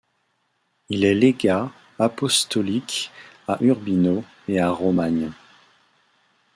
Il est légat apostolique à Urbino et à Romagne.